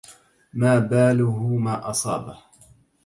ما باله ما أصابه